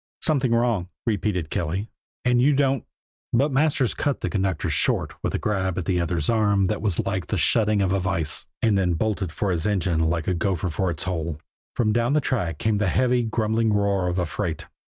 "Something wrong," repeated Kelly, "and you don't " But Masters cut the conductor short with a grab at the other's arm that was like the shutting of a vise and then bolted for his engine like a gopher for its hole. From down the track came the heavy, grumbling roar of a freight.